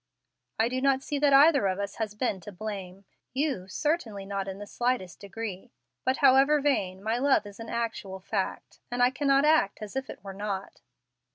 I do not see that either of us has been to blame, you certainly not in the slightest degree. But, however vain, my love is an actual fact, and I cannot act as if it were not.